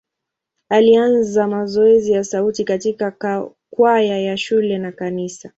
Alianza mazoezi ya sauti katika kwaya ya shule na kanisa.